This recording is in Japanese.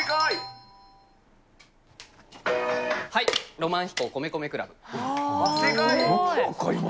浪漫飛行、米米ＣＬＵ正解！